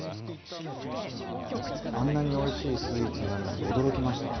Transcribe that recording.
あんなにおいしいスイーツになるなんて驚きました。